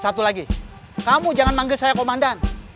satu lagi kamu jangan manggil saya komandan